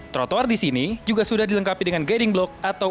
trotoar di sini juga sudah dilengkapi dengan guiding block atau